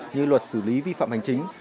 như luật xử lý vi phạm hành chính